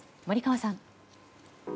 森川さん。